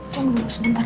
tunggu dulu sebentar